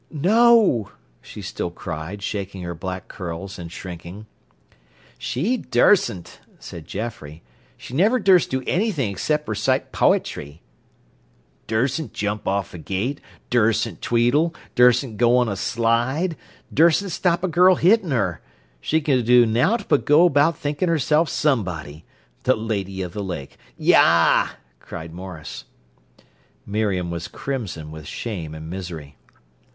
"No," she still cried, shaking her black curls and shrinking. "She dursn't," said Geoffrey. "She niver durst do anything except recite poitry." "Dursn't jump off a gate, dursn't tweedle, dursn't go on a slide, dursn't stop a girl hittin' her. She can do nowt but go about thinkin' herself somebody. 'The Lady of the Lake.' Yah!" cried Maurice. Miriam was crimson with shame and misery.